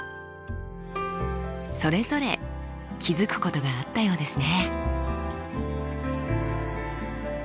それぞれ気付くことがあったようですね。